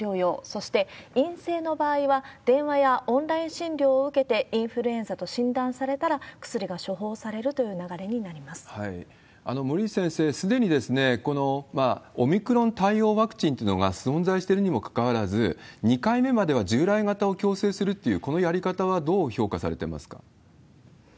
そして陰性の場合は、電話やオンライン診療を受けてインフルエンザと診断されたら薬が森内先生、すでにオミクロン対応ワクチンっていうのが存在しているにもかかわらず、２回目までは従来型を強制するっていう、このやり方はどう評価されてますか？